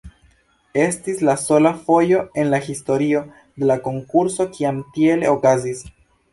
Estis la sola fojo en la historio de la konkurso kiam tiele okazis.